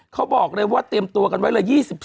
เขาบอกเลยว่าเตรียมตัวกันไว้เลย๒๒